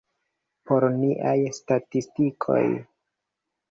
Por niaj statistikoj.